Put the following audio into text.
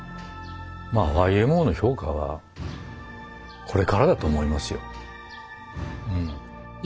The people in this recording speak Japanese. ＹＭＯの評価はこれからだと思いますようん。